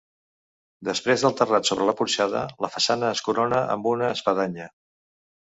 Després del terrat sobre la porxada, la façana es corona amb una espadanya.